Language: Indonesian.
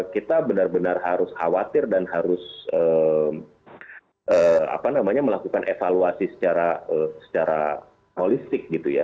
kita benar benar harus khawatir dan harus melakukan evaluasi secara holistik gitu ya